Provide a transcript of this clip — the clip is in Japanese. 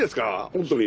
本当に。